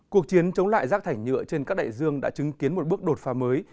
cuộc chiến chống lại rác thải nhựa trên các đại dương đã chứng kiến một bước đột phá mới